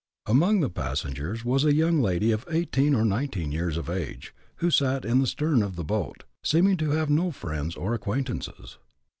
Among the passengers was a young lady of eighteen or nineteen years of age, who sat in the stern of the boat, seeming to have no friends or acquaintances.